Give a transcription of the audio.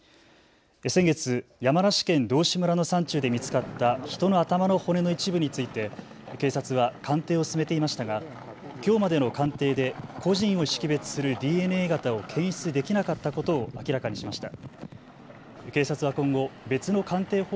先月、山梨県道志村の山中で見つかった人の頭の骨の一部について警察は鑑定を進めていましたが、きょうまでの鑑定で個人を識別するＤＮＡ型を検出できなかったことを明らかにしました。